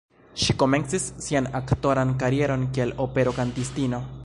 Ŝi komencis sian aktoran karieron, kiel opero-kantistino.